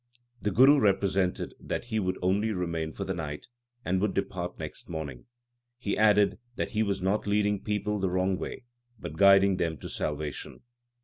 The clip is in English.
The Guru represented that he would only remain for the night, and would depart next morning. He added that he was not leading people the wrong way, but guiding them to salvation.